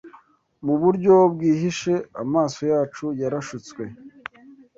Mu buryo bwihishe amaso yacu yarashutswe